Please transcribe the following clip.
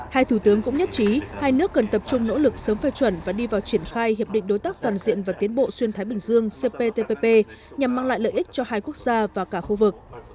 hai thủ tướng cũng nhất trí hai nước cần tập trung nỗ lực sớm phê chuẩn và đi vào triển khai hiệp định đối tác toàn diện và tiến bộ xuyên thái bình dương cptpp nhằm mang lại lợi ích cho hai quốc gia và cả khu vực